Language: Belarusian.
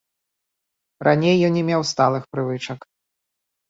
Раней ён не меў сталых прывычак.